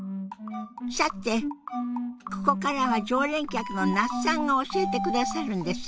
さてここからは常連客の那須さんが教えてくださるんですよ。